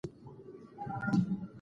هغه د محلي مشرانو رول پېژانده.